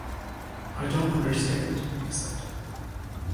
“I don’t understand,” he said.